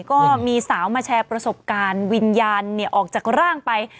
ก็มีสาวมาแชร์ประสบการณ์วิญญาณออกจากร่างไป